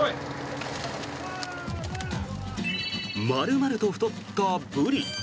丸々と太ったブリ。